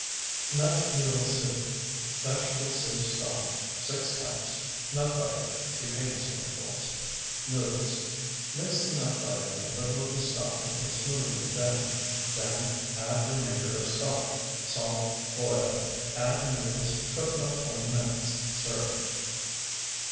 NUT NOODLE SOUP Vegetable soup stock, 6 cups. Nut butter, 2 tablespoonfuls. Noodles. Mix the nut butter in a little of the stock until smooth and thin; then add remainder of stock, salt, boil, add noodles, cook about twenty minutes, serve.